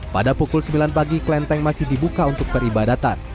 pada pukul sembilan pagi klenteng masih dibuka untuk peribadatan